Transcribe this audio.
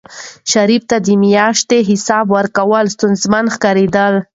شریف ته د میاشتې حساب کول ستونزمن ښکارېدل.